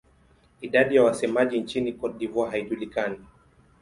Idadi ya wasemaji nchini Cote d'Ivoire haijulikani.